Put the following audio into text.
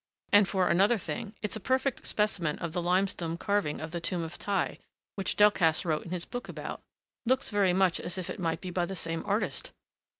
And for another thing, it's a perfect specimen of the limestone carving of the Tomb of Thi which Delcassé wrote his book about looks very much as if it might be by the same artist.